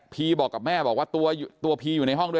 พ่อแม่เขาก็